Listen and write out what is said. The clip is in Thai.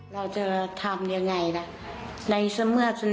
เราจะทำอย่างไรล่ะ